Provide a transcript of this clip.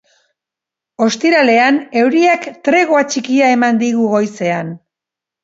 Ostiralean, euriak tregoa txikia eman digu goizean.